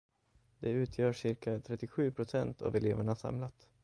Det utgör cirka trettiosju procent av eleverna samlat.